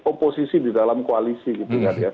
oposisi di dalam koalisi gitu